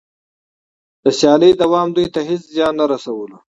د سیالۍ دوام دوی ته هېڅ زیان نه رسولو